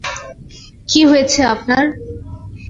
কী হয়েছে আপনার?